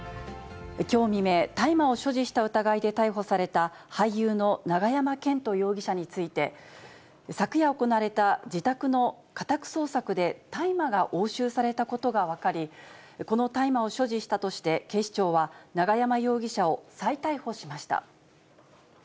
きょう未明、大麻を所持した疑いで逮捕された俳優の永山絢斗容疑者について、昨夜行われた自宅の家宅捜索で、大麻が押収されたことが分かり、この大麻を所持したとして、警視庁は永山容疑者を再逮捕しました。